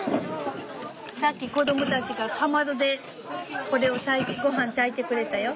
さっき子どもたちがかまどでこれをごはん炊いてくれたよ。